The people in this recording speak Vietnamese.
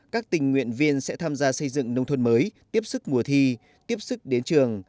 các tình nguyện viên sẽ tham gia xây dựng nông thôn mới tiếp sức mùa thi tiếp sức đến trường